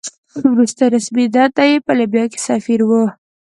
وروستۍ رسمي دنده یې په لیبیا کې سفیر وه.